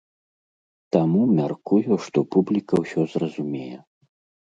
Таму, мяркую, што публіка ўсё зразумее.